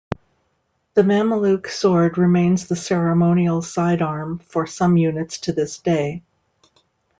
The Mameluke sword remains the ceremonial side arm for some units to this day.